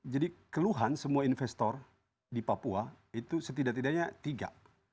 jadi keluhan semua investor di papua itu setidak tidaknya tiga